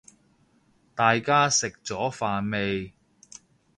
大家食咗飯未